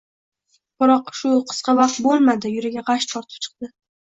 biroq shu qisqa vaqt bo'lmadi, yuragi g‘ash tortib chiqdi.